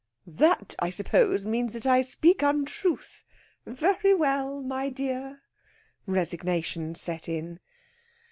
"That, I suppose, means that I speak untruth. Very well, my dear!" Resignation set in.